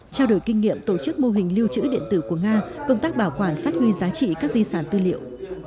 trao đổi kinh nghiệm tổ chức mô hình lưu trữ điện tử của nga công tác bảo quản phát huy giá trị các di sản tư liệu